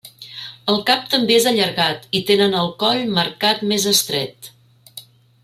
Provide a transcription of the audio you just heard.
El cap també és allargat, i tenen el coll marcat més estret.